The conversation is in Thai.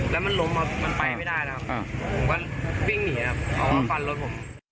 แล้วมันล้มมามันไปไม่ได้นะครับผมก็วิ่งหนีครับอ๋อฟันรถผม